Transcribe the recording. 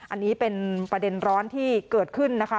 อันนี้เป็นประเด็นร้อนที่เกิดขึ้นนะคะ